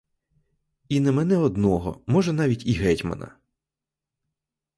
І не мене одного, може, навіть і гетьмана.